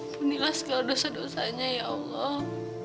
ampunilah segala dosa dosanya ya allah